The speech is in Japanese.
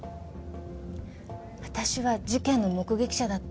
わたしは事件の目撃者だった。